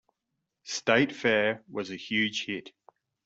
"State Fair" was a huge hit.